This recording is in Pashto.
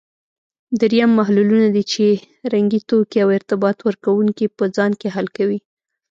دریم محللونه دي چې رنګي توکي او ارتباط ورکوونکي په ځان کې حل کوي.